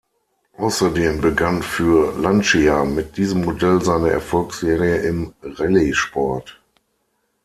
Außerdem begann für Lancia mit diesem Modell seine Erfolgsserie im Rallye-Sport.